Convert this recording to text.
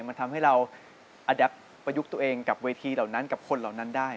มันทำให้เราอดับประยุกต์ตัวเองกับเวทีเหล่านั้นกับคนเหล่านั้นได้